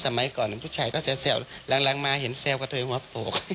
สมัยก่อนผู้ชายก็แซวแซวหลังหลังมาเห็นแซวกระเทยหัวโปก